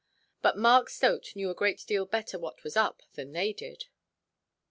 But Mark Stote knew a great deal better what was up than they did.